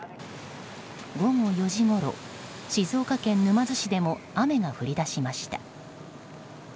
午後４時ごろ静岡県沼津市でも雨が降り出しました。